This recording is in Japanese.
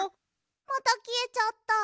またきえちゃった。